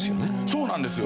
そうなんですよ。